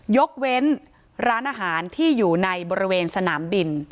ยกเว้นร้านอาหารที่อยู่ในบริเวณสนามบิน